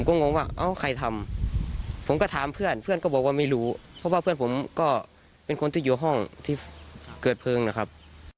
ก็งงว่าเอ้าใครทำผมก็ถามเพื่อนเพื่อนก็บอกว่าไม่รู้เพราะว่าเพื่อนผมก็เป็นคนที่อยู่ห้องที่เกิดเพลิงนะครับ